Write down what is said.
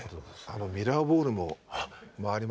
あのミラーボールも回りますから。